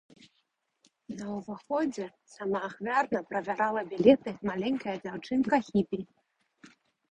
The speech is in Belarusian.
На ўваходзе самаахвярна правярала білеты маленькая дзяўчынка-хіпі.